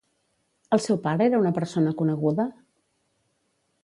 El seu pare era una persona coneguda?